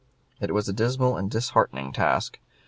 It was a dismal and disheartening task.